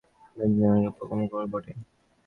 বিন্দিটার এমনি পোড়া কপাল বটে!